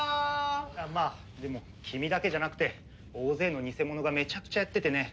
まあでも君だけじゃなくて大勢の偽者がめちゃくちゃやっててね。